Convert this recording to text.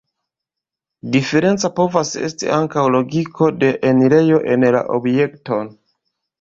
Diferenca povas esti ankaŭ lokigo de enirejo en la objekton.